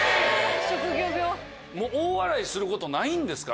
大笑いすることないんですか？